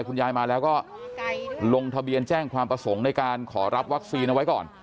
คุณยายมาแล้วก็ลงทะเบียนแจ้งความประสงค์ในการขอรับวัคซีนเอาไว้ก่อน